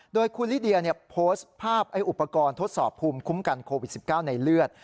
โดยคุณลิเดียโพสต์ภาพอุปกรณ์ทดสอบภูมิคุ้มกันโควิด๑๙ในเลือด